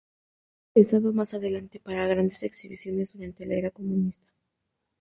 Fue utilizado más adelante para grandes exhibiciones durante la era comunista.